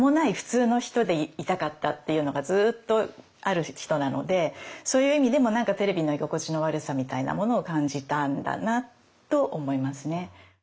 っていうのがずっとある人なのでそういう意味でもテレビの居心地の悪さみたいなものを感じたんだなと思いますね。